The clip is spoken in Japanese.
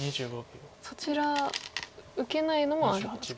そちら受けないのもあるんですか。